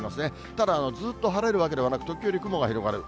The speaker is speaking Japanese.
ただ、ずっと晴れるわけではなく、時折雲が広がる。